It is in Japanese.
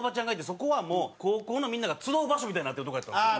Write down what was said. そこはもう高校のみんなが集う場所みたいになってるとこやったんですよ。